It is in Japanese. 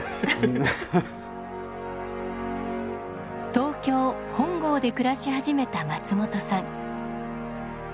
東京・本郷で暮らし始めた松本さん。